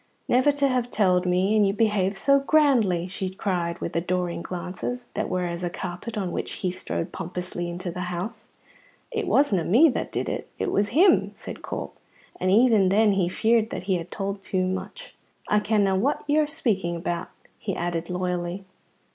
"Never to have telled me, and you behaved so grandly!" she cried, with adoring glances that were as a carpet on which he strode pompously into the house. "It wasna me that did it; it was him," said Corp, and even then he feared that he had told too much. "I kenna what you're speaking about," he added loyally.